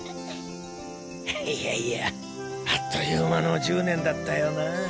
いやいやあっという間の１０年だったよな。